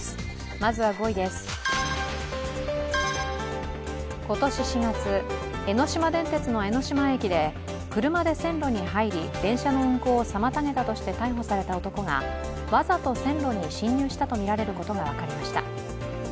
まずは５位です、今年４月、江ノ島電鉄の江ノ島駅で車で線路に入り電車の運行を妨げたとして逮捕された男がわざと線路に進入したとみられることが分かりました。